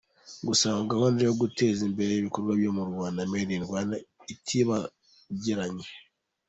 Gusa ngo gahunda yo guteza imbere ibikorerwa mu Rwanda ‘Made in Rwanda’, itibagiranye.